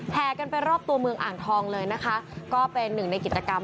กันไปรอบตัวเมืองอ่างทองเลยนะคะก็เป็นหนึ่งในกิจกรรม